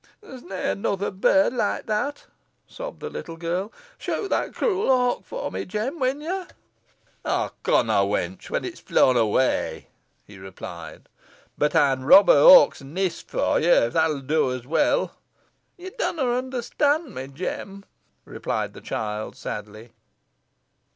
"There's nah another bird like that," sobbed the little girl. "Shoot that cruel hawk fo' me, Jem, win ye." "How conney wench, whon its flown away?" he replied. "Boh ey'n rob a hawk's neest fo ye, if that'll do os weel." "Yo dunna understand me, Jem," replied the child, sadly.